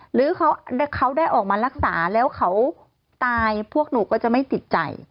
หรือเขาได้ออกมารักษาแล้วเขาตายพวกหนูก็จะไม่ติดใจ